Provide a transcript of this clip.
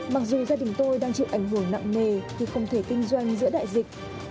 mặc dù gia đình tôi đang chịu ảnh hưởng nặng mề khi không thể kinh doanh giữa đại dịch